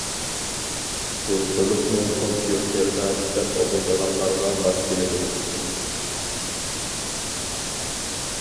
بۇ بولۇپمۇ كومپيۇتېردا كىتاب ئوقۇيدىغانلارغا ماس كېلىدۇ.